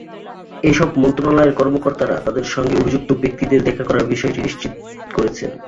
এসব মন্ত্রণালয়ের কর্মকর্তারা তাঁদের সঙ্গে অভিযুক্ত ব্যক্তিদের দেখা করার বিষয়টি নিশ্চিত করেছেন।